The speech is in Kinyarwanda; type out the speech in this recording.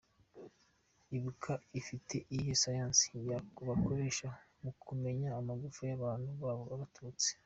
Ibuka ifite iyihe science bakoresha mu kumenya amagufa y’abantu “babo”, abatutsi?